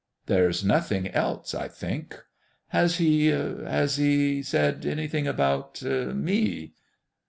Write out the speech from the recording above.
There's nothing else, I think." " Has he has he said anything about me